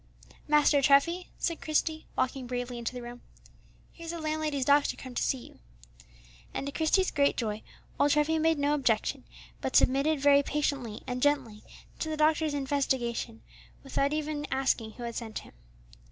"Master Treffy," said Christie, walking bravely into the room, "here's the landlady's doctor come to see you." And to Christie's great joy, old Treffy made no objection, but submitted very patiently and gently to the doctor's investigation, without even asking who had sent him.